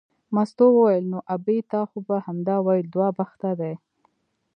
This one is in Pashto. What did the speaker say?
مستو وویل نو ابۍ تا خو به همدا ویل دوه بخته دی.